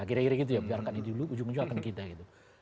kira kira gitu ya biarkan ini dulu ujung ujung akan kita gitu